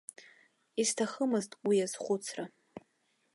Исҭахымызт уи азхәыцра.